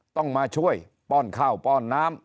ต้องมาช่วยป้อนข้าวป้อนน้ำ